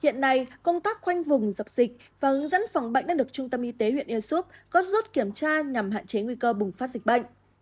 hiện nay công tác quanh vùng dọc dịch và hướng dẫn phòng bệnh đã được trung tâm y tế huyện yersouk góp rút kiểm tra nhằm hạn chế nguy cơ bùng phát dịch bệnh